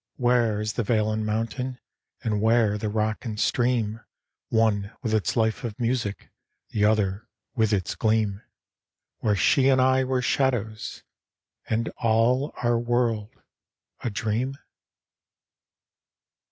Where is the vale and mountain, And where the rock and stream One with its life of music, The other with its gleam, Where she and I were shadows And all our world, a dream?